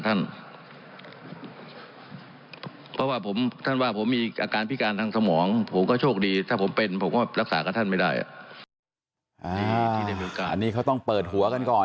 อันนี้เขาต้องเปิดหัวกันก่อนใช่ไหม